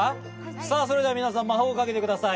さぁそれでは皆さん魔法をかけてください。